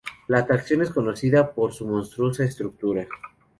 La atracción es conocida por su monstruosa estructura.